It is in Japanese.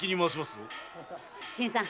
新さん。